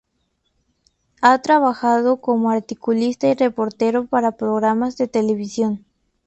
Ha trabajado como articulista y reportero para programas de televisión.